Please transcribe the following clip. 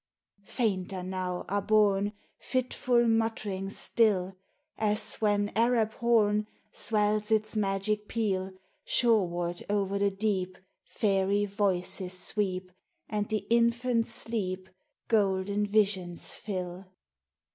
Fainter now are borne Fitful mutterings still ; As, when Arab horn Swells its magic peal, FAIRIES: ELVES: SPRITES. G3 Shoreward o'er the deep Fairy voices sweep, And the infant's sleep Golden visions fill.